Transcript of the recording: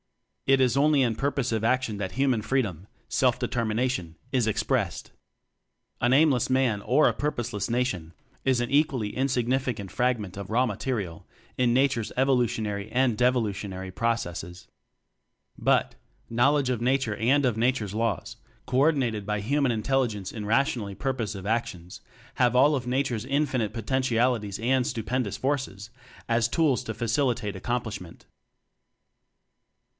It is only in purposive action that human freedom self determination is expressed. An aimless man or a purposeless "nation" is an equally insignificant fragment of raw material in Nature's Evolutionary and Devolutionary pro cesses. But, knowledge of Nature and of Nature's Laws co ordinated by Hu man Intelligence in rationally purpos ive actions, have all of Nature's in finite potentialities and stupendous forces as tools to facilitate accom plishment.